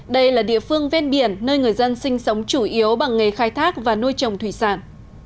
đây là địa phương ven biển nơi người dân sinh sống chủ yếu bằng nghề khai thác và nuôi trồng thủy sản